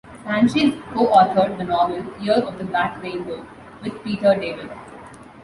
Sanchez co-authored the novel "Year of the Black Rainbow" with Peter David.